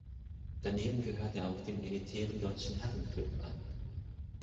Daneben gehörte er auch dem elitären Deutschen Herrenklub an.